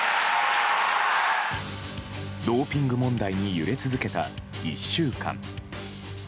ドーピング問題に揺れ続けた１週間。